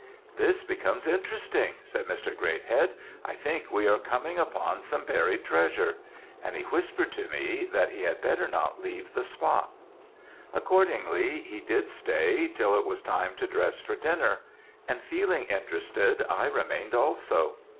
"'This becomes interesting,' said Mr. Greathead, 'I think we are coming upon some buried treasure;' and he whispered to me, that he had better not leave the spot. "Accordingly, he did stay, till it was time to dress for dinner; and, feeling interested, I remained also.